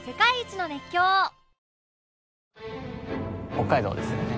北海道ですよね。